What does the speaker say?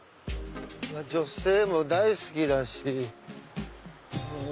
女性も大好きだし。